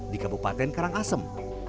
di kabupaten karangasem